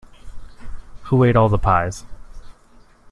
Who Ate All the Pies?